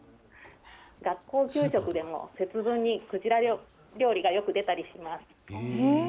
学校給食でも節分にクジラ料理がよく出たりします。